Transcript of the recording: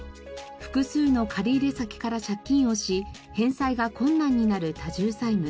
複数の借り入れ先から借金をし返済が困難になる多重債務。